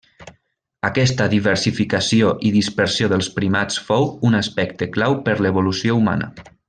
Aquesta diversificació i dispersió dels primats fou un aspecte clau per l'evolució humana.